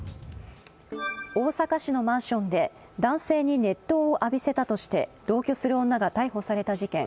大阪市のマンションで男性に熱湯を浴びせたとして同居する女が逮捕された事件。